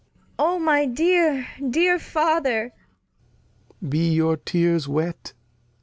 O my dear, dear Father ! Lear. Be your Tears wet?